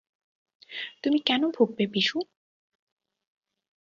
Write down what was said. তুমি কেন ভুগবে, বিশু?